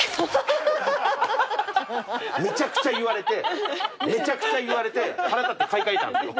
めちゃくちゃ言われてめちゃくちゃ言われて腹立って買い替えたんですよ。